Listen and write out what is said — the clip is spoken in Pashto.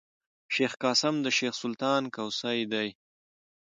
شېخ قاسم د شېخ سلطان کوسی دﺉ.